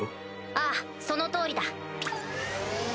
ああその通りだ。